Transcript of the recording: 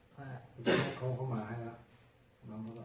พอเขาเข้ามาขึ้นให้แล้ว